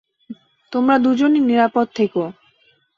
তোমরা দুজনই নিরাপদ থেকো।